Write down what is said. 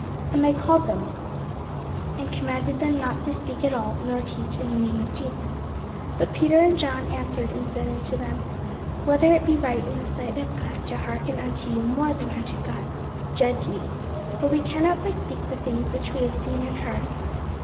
And they called them, and commanded them not to speak at all nor teach in the name of Jesus. But Peter and John answered and said unto them, Whether it be right in the sight of God to hearken unto you more than unto God, judge ye. For we cannot but speak the things which we have seen and heard.